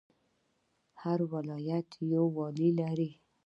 هر ولایت یو والی لري